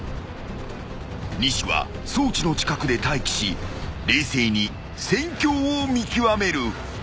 ［西は装置の近くで待機し冷静に戦況を見極める］